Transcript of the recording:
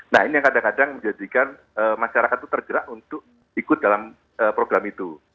nah ini yang kadang kadang menjadikan masyarakat itu tergerak untuk ikut dalam program itu